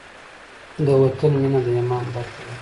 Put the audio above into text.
د وطن مینه د ایمان برخه ده.